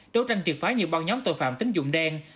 đấu tranh triệt phái nhiều bao nhóm tội phạm tín dụng đen